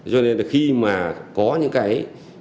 cho nên là khi mà có những cái